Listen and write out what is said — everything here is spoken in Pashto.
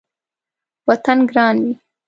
وطن ګران وي